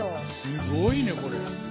すごいねこれ。